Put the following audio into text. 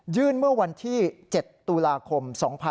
เมื่อวันที่๗ตุลาคม๒๕๖๒